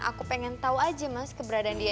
aku pengen tahu aja mas keberadaan dia